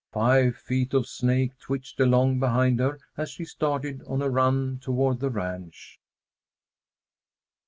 Five feet of snake twitched along behind her as she started on a run toward the ranch.